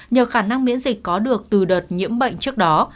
nhờ khả năng miễn dịch có được từ đợt nhiễm bệnh trước đó